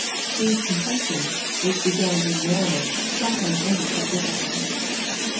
These contentions, which began in merriment, sometimes ended quite differently.